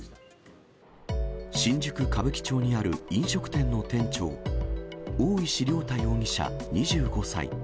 新宿・歌舞伎町にある飲食店の店長、大石涼太容疑者２５歳。